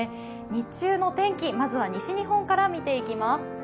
日中の天気、まずは西日本から見ていきます。